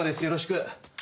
よろしく。